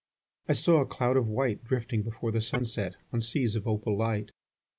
. I saw a cloud of white Drifting before the sunset On seas of opal light.